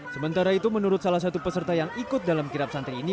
sementara itu menurut salah satu peserta yang ikut dalam kirap santai ini